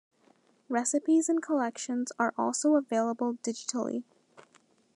Recipes and collections are also available digitally.